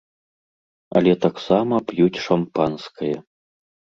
Але таксама п'юць шампанскае.